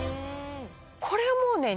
これもうね２０。